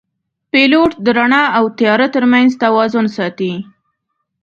پیلوټ د رڼا او تیاره ترمنځ توازن ساتي.